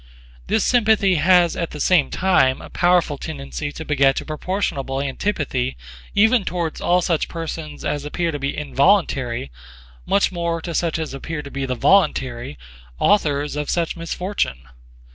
This sympathy has at the same time a powerful tendency to beget a proportionable antipathy even towards all such persons as appear to be involuntary, much more to such as appear to be the voluntary, authors of such misfortune.